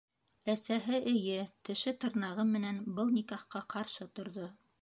Әсәһе, эйе, теше-тырнағы менән был никахҡа ҡаршы торҙо.